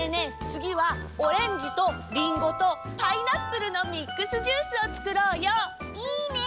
つぎはオレンジとリンゴとパイナップルのミックスジュースをつくろうよ。いいね！